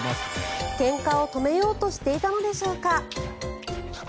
けんかを止めようとしていたのでしょうか。